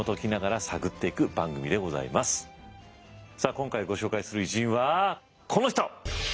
今回ご紹介する偉人はこの人。